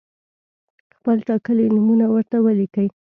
خپل ټاکلي نومونه ورته ولیکئ.